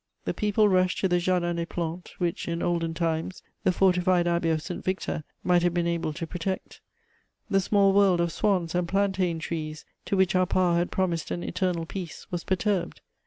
The people rushed to the Jardin des Plantes, which, in olden times, the fortified Abbey of St. Victor might have been able to protect: the small world of swans and plantain trees, to which our power had promised an eternal peace, was perturbed.